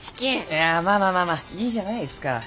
いやまあまあまあまあいいじゃないですか。